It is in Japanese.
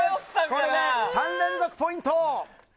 これで３連続ポイント。